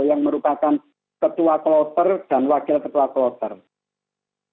di pertemuan itu saya beberkan kejadian kenapa kok saya sampai mengugat